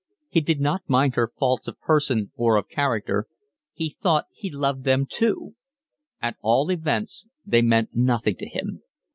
He did not mind her faults of person or of character, he thought he loved them too: at all events they meant nothing to him.